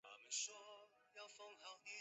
早年很被朱圭看重。